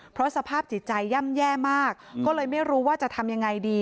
เพราะสภาพจิตใจย่ำแย่มากก็เลยไม่รู้ว่าจะทำยังไงดี